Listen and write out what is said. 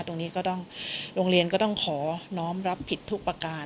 ตรงนี้ก็ต้องโรงเรียนก็ต้องขอน้องรับผิดทุกประการ